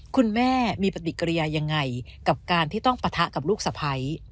คุณแม่มีปฏิกิริยายังไงกับการที่ต้องปะทะกับลูกสะพ้าย